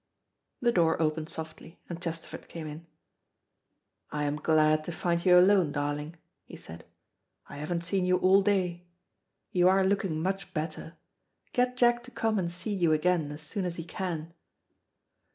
The door opened softly, and Chesterford came in. "I am glad to find you alone, darling," he said, "I haven't seen you all day. You are looking much better. Get Jack to come and see you again as soon as he can."